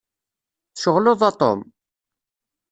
Tceɣleḍ, a Tom?